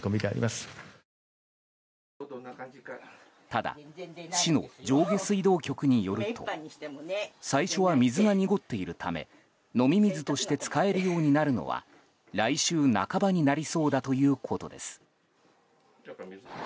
ただ、市の上下水道局によると最初は水が濁っているため飲み水として使えるようになるのは来週半ばになりそうだということです。